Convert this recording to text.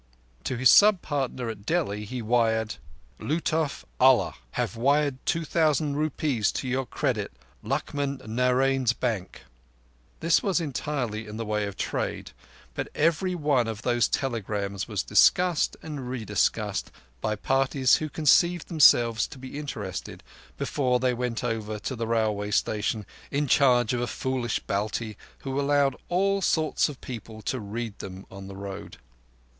_" To his sub partner at Delhi he wired: "Lutuf Ullah. Have wired two thousand rupees your credit Luchman Narain's bank.—" This was entirely in the way of trade, but every one of those telegrams was discussed and rediscussed, by parties who conceived themselves to be interested, before they went over to the railway station in charge of a foolish Balti, who allowed all sorts of people to read them on the road.